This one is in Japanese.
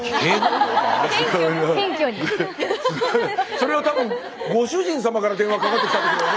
それは多分ご主人様から電話かかってきたときだよね。